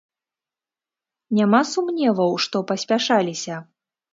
Няма сумневаў, што паспяшаліся?